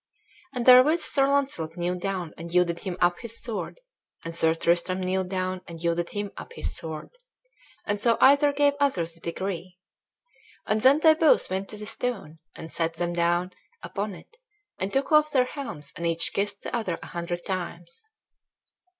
And therewith Sir Launcelot kneeled down and yielded him up his sword; and Sir Tristram kneeled down and yielded him up his sword; and so either gave other the degree. And then they both went to the stone, and sat them down upon it and took off their helms and each kissed the other a hundred times.